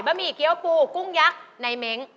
หมี่เกี้ยวปูกุ้งยักษ์ในเม้ง